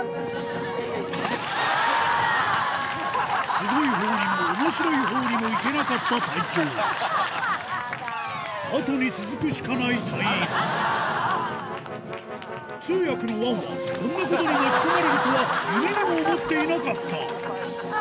スゴいほうにも面白いほうにもいけなかった隊長後に続くしかない隊員通訳のワンはこんなことに巻き込まれるとは夢にも思っていなかった